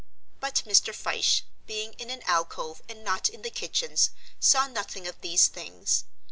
But Mr. Fyshe, being in an alcove and not in the kitchens, saw nothing of these things.